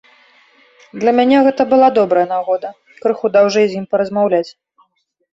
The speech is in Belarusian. Для мяне гэта была добрая нагода крыху даўжэй з ім паразмаўляць.